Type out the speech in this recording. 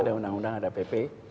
ada undang undang ada pp